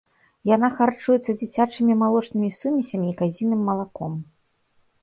Яна харчуецца дзіцячымі малочнымі сумесямі і казіным малаком.